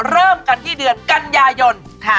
เริ่มกันที่เดือนกันยายน